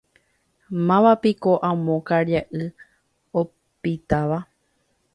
Mávapiko amo karia'y opitáva